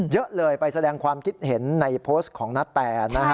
เยอะเลยไปแสดงความคิดเห็นในโพสต์ของนาแตนะฮะ